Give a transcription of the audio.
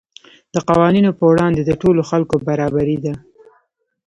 د قوانینو په وړاندې د ټولو خلکو برابري ده.